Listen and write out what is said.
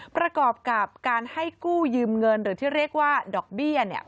ประกอบกับการให้กู้ยืมเงินหรือที่เรียกว่าดอกเบี้ยเนี่ย